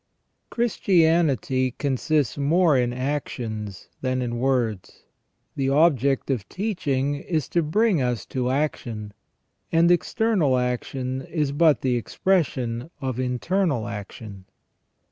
Christianity consists more in actions than in words ; the object of teaching is to bring us to action, and external action is but the expression of internal action.